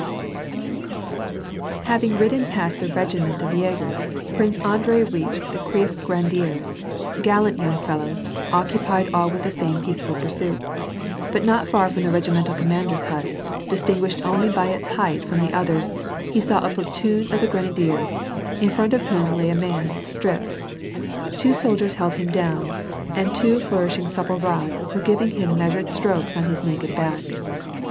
WAR AND PEACE, 207 Having ridden past the regiment of j&gers, Prince Andrei reached the Kief grenadiers, gallant young fellows, occupied all with the same peaceful pursuits ; but not far from the regi mental commander's hut, distinguished only by its height from the others, he saw a platoon of the grenadiers, in front of whom lay a man, stripped. Two soldiers held him down, and two, flourishing supi)le rods, were giving him measured strokes on his naked back.